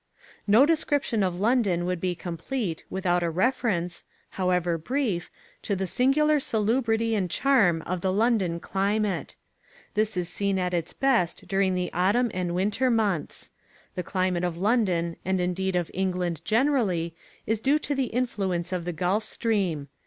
No description of London would be complete without a reference, however brief, to the singular salubrity and charm of the London climate. This is seen at its best during the autumn and winter months. The climate of London and indeed of England generally is due to the influence of the Gulf Stream.